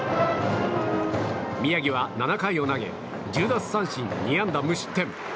宮城は７回を投げ１０奪三振２安打無失点。